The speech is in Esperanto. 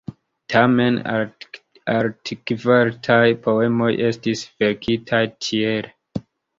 Tamen altkvalitaj poemoj estis verkitaj tiel.